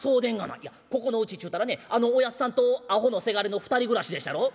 いやここのうちちゅうたらねあのおやっさんとアホのせがれの２人暮らしでっしゃろ。